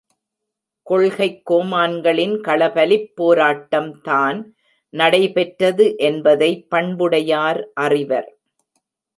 கொள்கைக் கோமான்களின் களபலிப் போராட்டம் தான் நடைபெற்றது என்பதை பண்புடையார் அறிவர்!